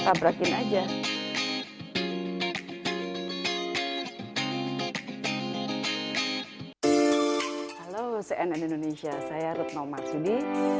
halo cnn indonesia saya rutno marsudi